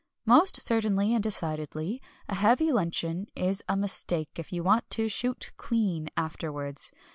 Most certainly and decidedly, a heavy luncheon is a mistake if you want to "shoot clean" afterwards.